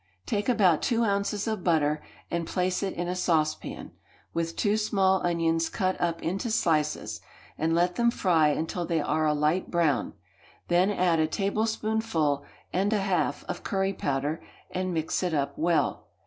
Take about two ounces of butter, and place it in a saucepan, with two small onions cut up into slices, and let them fry until they are a light brown; then add a tablespoonful and a half of curry powder, and mix it up well.